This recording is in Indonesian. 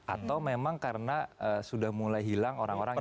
atau memang karena sudah mulai hilang orang orang yang